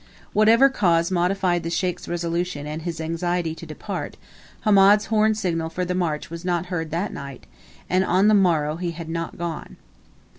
Whatever cause modified the Sheikh's resolution and his anxiety to depart, Hamed's horn signal for the march was not heard that night, and on the morrow he had not gone.